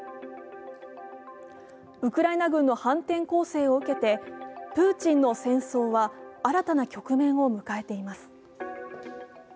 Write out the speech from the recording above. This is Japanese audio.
ウクライナ軍の反転攻勢を受けてプーチンの戦争は新たな局面を迎えています。